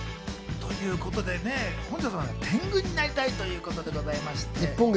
ということで本上さん、天狗になりたいということでございまして。